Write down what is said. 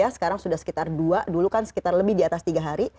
sekarang sudah sekitar dua dulu kan sekitar lebih di atas tiga hari